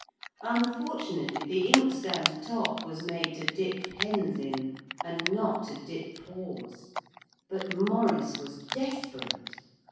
Unfortunately, the inkstand top was made to dip pens in, and not to dip paws. But Maurice was desperate.